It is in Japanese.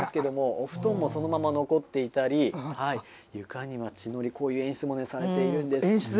お布団もそのまま残っていたり床には血のり、こういう演出もされてるんです。